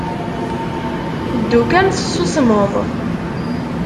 Ddu kan tessusmeḍ.